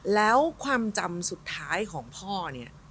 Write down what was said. แล้วความจำสุดท้ายของพ่อเนี่ย